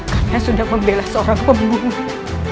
karena sudah membela seorang pembunuh